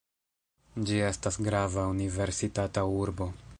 Ĝi estas grava universitata urbo.